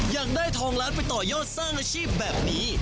ยังได้ทองล้านไปต่อยอดสร้างอาชีพแบบนี้